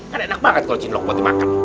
kan enak banget kalau cinlok buat dimakan